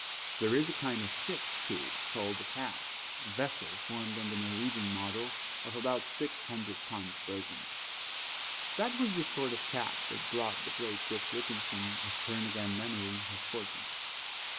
There is a kind of ship, too, called a Cat, a vessel formed on the Norwegian model, of about 600 tons burthen. That was the sort of cat that brought the great Dick Whittington, of "turn again" memory, his fortune.